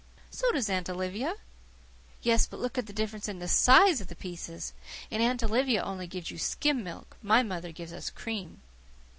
"So does Aunt Olivia." "Yes, but look at the difference in the size of the pieces! And Aunt Olivia only gives you skim milk. My mother gives us cream."